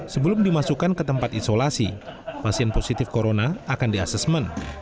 sebelum dimasukkan ke tempat isolasi pasien positif corona akan di asesmen